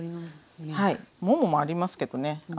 もももありますけどね